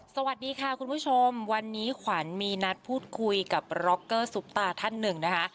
สวัสดีค่ะคุณผู้ชมวันนี้ขวัญมีนัดพูดคุยกับร็อกเกอร์ซุปตาท่านหนึ่งนะคะ